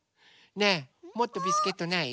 ねえもっとビスケットない？